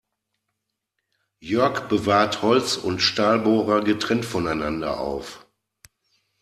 Jörg bewahrt Holz- und Stahlbohrer getrennt voneinander auf.